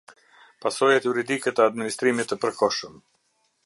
Pasojat juridike të administrimit të përkohshëm.